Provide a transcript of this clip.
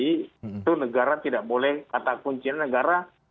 itu negara tidak boleh kata kuncinya negara